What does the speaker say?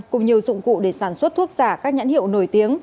cùng nhiều dụng cụ để sản xuất thuốc giả các nhãn hiệu nổi tiếng